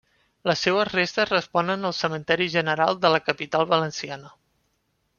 Les seues restes reposen al cementeri General de la capital valenciana.